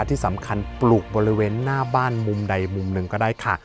ที่สำคัญปลูกบริเวณหน้าบ้านมุมใดมุมหนึ่งก็ได้ค่ะ